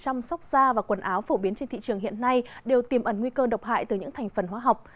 như là các sản phẩm trong sốc da và quần áo phổ biến trên thị trường hiện nay đều tìm ẩn nguy cơ độc hại từ những thành phần hóa học